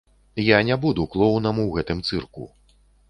Я не буду клоунам у гэтым цырку!